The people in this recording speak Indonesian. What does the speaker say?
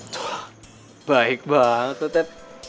tuh baik banget lo ted